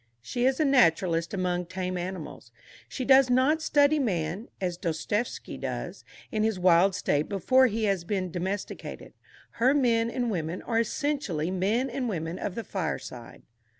She is a naturalist among tame animals. She does not study man (as Dostoevsky does) in his wild state before he has been domesticated. Her men and women are essentially men and women of the fireside.